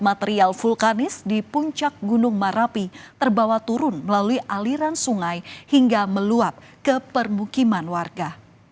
material vulkanis di puncak gunung marapi terbawa turun melalui aliran sungai hingga meluap ke permukiman warga